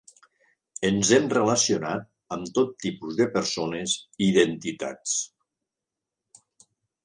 Ens hem relacionat amb tot tipus de persones i d'entitats.